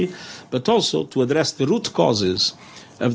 tapi juga untuk menghadapi alasan utama